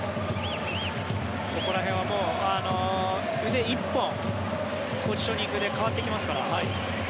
ここら辺は、腕１本ポジショニングで変わってきますから。